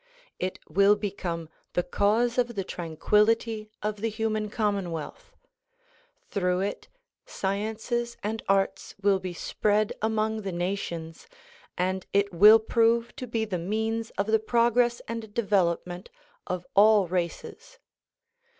It will become the cause of the tranquillity of the human common wealth. Through it, sciences and arts will be spread among the nations and it will prove to be the means of the progress and devel opment of all races.